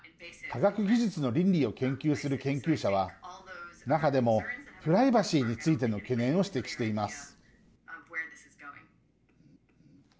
科学技術の倫理を研究する研究者は中でも、プライバシーについての懸念を指摘しています。